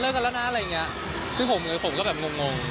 เลิกกันแล้วน่ะอะไรอย่างนี้ซึ่งผมก็มงอะไรอย่างนี้ครับ